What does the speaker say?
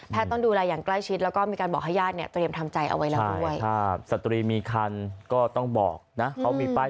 แพทย์ต้องดูแลอย่างใกล้ชิดแล้วก็มีการบอกให้ญาติเนี่ย